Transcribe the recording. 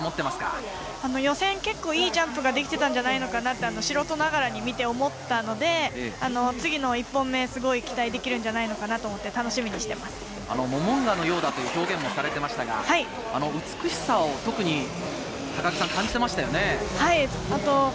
予選はいいジャンプができていたのではないかなと、素人ながらに思ったので、次の１本目、すごい期待できるのではないかと思って、楽しみにしモモンガのようなという表現をされていましたが、美しさも感じていましたね。